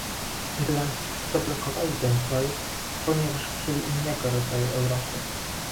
Irlandczycy zablokowali ten projekt, ponieważ chcieli innego rodzaju Europy